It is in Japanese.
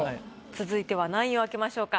続いては何位を開けましょうか？